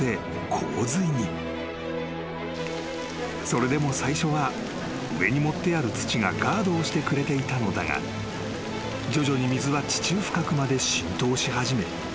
［それでも最初は上に盛ってある土がガードをしてくれていたのだが徐々に水は地中深くまで浸透し始め